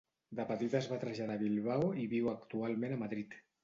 De petita es va traslladar a Bilbao i viu actualment a Madrid.